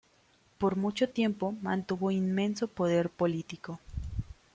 Por mucho tiempo mantuvo inmenso poder político.